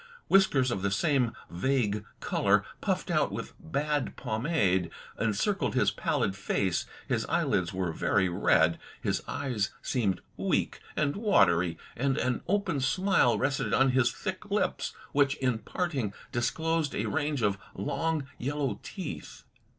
Whiskers of the same vague colour puffed out with bad pomade, encircled his pallid face. His eyelids were very red; his eyes seemed weak and watery, and an open smile rested on his thick lips, which, in parting, disclosed a range of long yellow teeth.